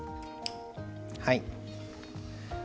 はい。